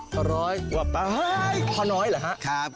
๗๐๐ประปรีพอน้อยเหรอฮะครับ